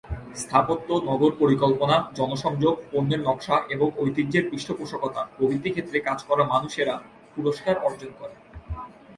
স্থাপত্য, নগর পরিকল্পনা, জনসংযোগ, পণ্যের নকশা এবং ঐতিহ্যের পৃষ্ঠপোষকতা প্রভৃতি ক্ষেত্রে কাজ করা মানুষেরা পুরস্কার অর্জন করেন।